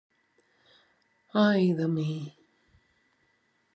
Ai de mi!